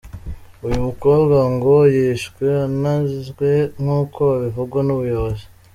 Uyu mukobwa ngo yishwe anizwe nk’uko bivugwa n’ubuyobozi.